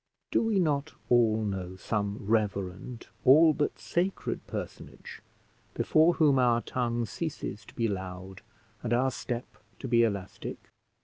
Do we not all know some reverend, all but sacred, personage before whom our tongue ceases to be loud and our step to be elastic?